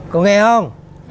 có nghe không